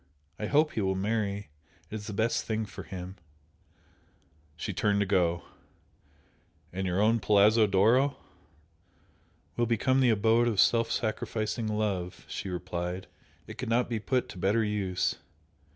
I hope he will marry it is the best thing for him!" She turned to go. "And your own Palazzo d'Oro? " "Will become the abode of self sacrificing love," she replied "It could not be put to better use!